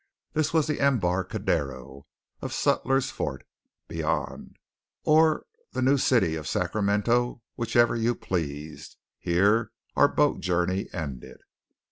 This was the embarcadero of Sutter's Fort beyond; or the new city of Sacramento, whichever you pleased. Here our boat journey ended.